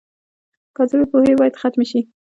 کاذبې پوهې باید ختمې شي.